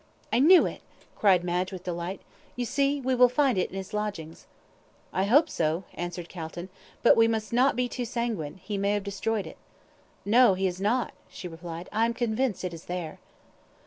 "I knew it," cried Madge with delight. "You see, we will find it in his lodgings." "I hope so," answered Calton; "but we must not be too sanguine; he may have destroyed it." "No, he has not," she replied. "I am convinced it is there."